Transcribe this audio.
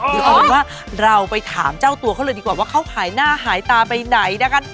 เดี๋ยวเอาเป็นว่าเราไปถามเจ้าตัวเขาเลยดีกว่าว่าเขาหายหน้าหายตาไปไหนนะคะ